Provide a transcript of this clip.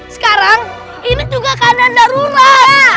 sekarang ini juga keadaan darurat